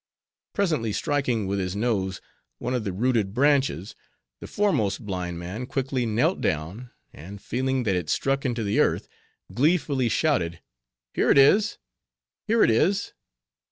Presently, striking with his nose one of the rooted branches, the foremost blind man quickly knelt down; and feeling that it struck into the earth, gleefully shouted: Here it is! here it is!